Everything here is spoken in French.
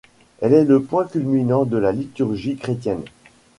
Elle est le point culminant de la liturgie chrétienne.